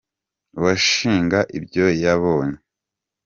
Uwashinga ibyo yabonye